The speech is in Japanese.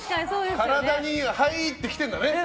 体に入ってきてるんだね